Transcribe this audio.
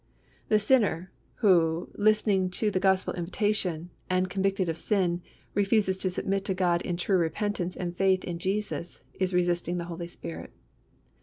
The sinner who, listening to the Gospel invitation, and convicted of sin, refuses to submit to God in true repentance and faith in Jesus, is resisting the Holy Spirit.